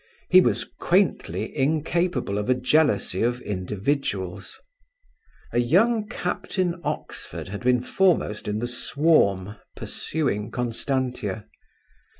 He was quaintly incapable of a jealousy of individuals. A young Captain Oxford had been foremost in the swarm pursuing Constantia.